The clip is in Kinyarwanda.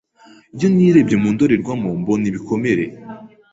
iyo nirebye mu ndorerwamo mbona ibikomere